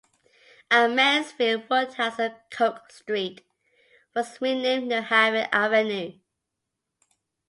At Mansfield Woodhouse a Coke Street was renamed Newhaven Avenue.